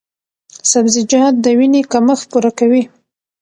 سبزیجات د وینې کمښت پوره کوي۔